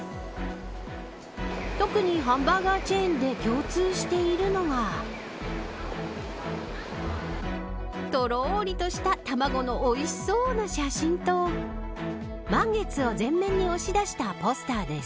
特にハンバーガーチェーンで共通しているのがとろーりとした卵のおいしそうな写真と満月を全面に押し出したポスターです